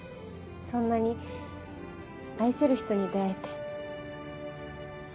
そんなに愛する人に出会えて。